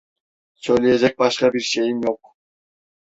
Söyleyecek başka bir şeyim yok.